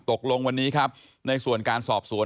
ตกลงวันนี้ครับในส่วนการสอบสวน